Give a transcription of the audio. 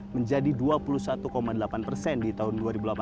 menjadi dua puluh satu delapan persen di tahun dua ribu delapan belas